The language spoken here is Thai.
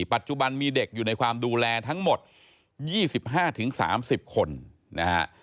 ปัจจุบันมีเด็กอยู่ในความดูแลทั้งหมด๒๕๓๐คนนะฮะ